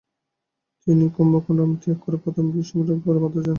তিনি কুম্ভকোনাম ত্যাগ করে প্রথমে বিশাখাপত্তনম এবং পরে মাদ্রাজ যান।